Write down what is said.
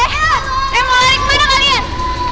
hei mau lari kemana kalian